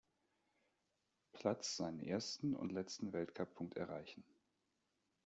Platz seinen ersten und letzten Weltcup-Punkt erreichen.